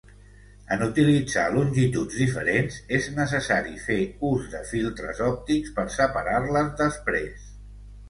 En utilitzar longituds diferents és necessari fer ús de filtres òptics per separar-les després.